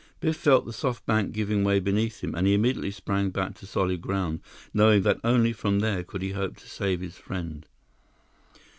Biff felt the soft bank giving way beneath him, and he immediately sprang back to solid ground, knowing that only from there could he hope to save his friend.